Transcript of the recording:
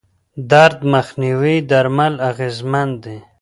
درد مخنیوي درمل اغېزمن دي.